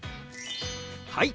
はい！